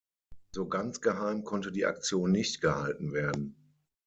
So ganz geheim konnte die Aktion nicht gehalten werden.